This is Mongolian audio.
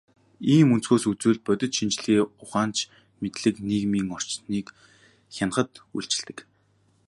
Ийм өнцгөөс үзвэл, бодит шинжлэх ухаанч мэдлэг нийгмийн орчныг хянахад үйлчилдэг.